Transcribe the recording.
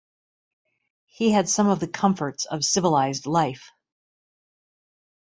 He had some of the comforts of civilized life.